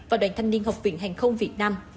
và đoàn thanh niên học viện hàng không việt nam